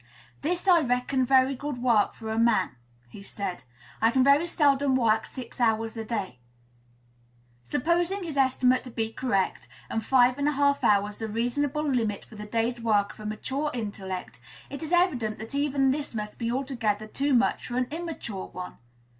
'This I reckon very good work for a man,' he said. 'I can very seldom work six hours a day.' Supposing his estimate to be correct, and five and a half hours the reasonable limit for the day's work of a mature intellect, it is evident that even this must be altogether too much for an immature one.